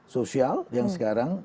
sosial yang sekarang